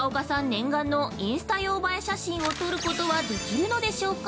念願のインスタ用映え写真を撮ることはできるのでしょうか？